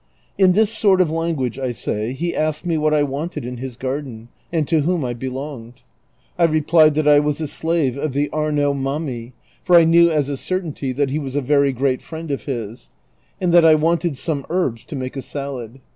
In this sort of language, I say, he asked me what I wanted in his gar den, and to whom I belonged. I replied that I was a slave of the Ar naut Mami' (for I knew as a certainty that he was a very great friend of his) , and that I wanted some herbs to make a salad.